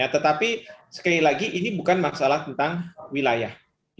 tetapi sekali lagi ini bukan masalah tentang wilayah